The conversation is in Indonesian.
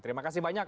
terima kasih banyak